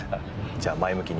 じゃあ前向きに。